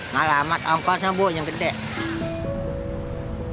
mahal amat angkosnya bu yang gede